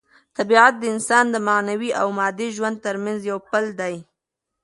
طبیعت د انسان د معنوي او مادي ژوند ترمنځ یو پل دی.